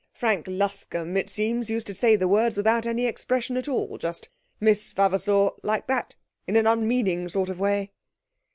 Frank Luscombe, it seems, used to say the words without any expression at all, just "Miss Vavasour!" like that, in an unmeaning sort of way.'